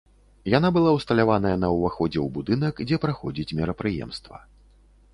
Яна была ўсталяваная на ўваходзе ў будынак, дзе праходзіць мерапрыемства.